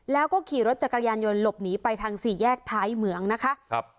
แล้วก็ขี่รถจักรยานยนต์หลบหนีไปทางสี่แยกท้ายเหมืองนะคะครับ